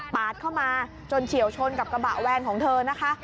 เข้ามาจนเฉียวชนกับกระบะแวนของเธอนะคะ